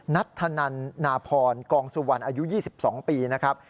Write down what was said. นัทธนันนาพรกองสุวรรณอายุ๒๒ปีนะครับ